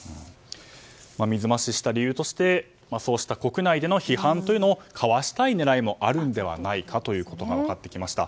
水増しした理由としてそうした国内での批判というのをかわしたい狙いもあるのではないかということが分かってきました。